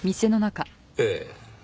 ええ。